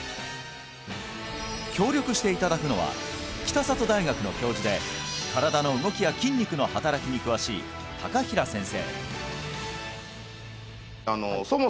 協力していただくのは北里大学の教授で身体の動きや筋肉の働きに詳しい高平先生